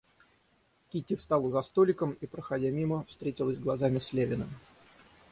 Кити встала за столиком и, проходя мимо, встретилась глазами с Левиным.